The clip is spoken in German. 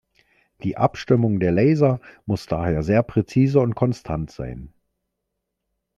Die Abstimmung der Laser muss daher sehr präzise und konstant sein.